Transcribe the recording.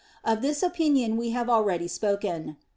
Of this opinion we have already spoken (Q.